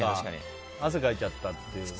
汗かいちゃったっていう。